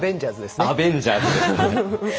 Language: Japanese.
アベンジャーズですね。